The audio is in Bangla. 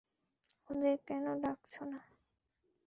ওদের কেনো ডাকছো না?